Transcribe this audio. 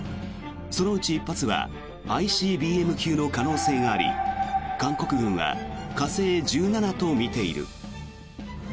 そのうち１発はＩＣＢＭ級の可能性があり韓国軍は火星１７とみている。